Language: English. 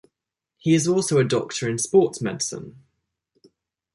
He is also a doctor in sports medicine.